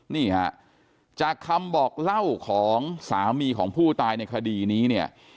นี่ฮะจากคำบอกเล่าของสามีของผู้ตายในคดีนี้เนี่ย